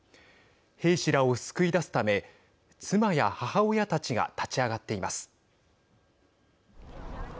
兵士らを救い出すため妻や母親たちが立ち上がっています。